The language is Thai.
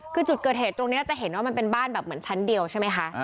คือจุดเกิดเหตุตรงนี้จะเห็นว่ามันเป็นบ้านแบบเหมือนชั้นเดียวใช่ไหมคะ